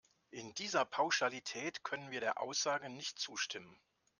In dieser Pauschalität können wir der Aussage nicht zustimmen.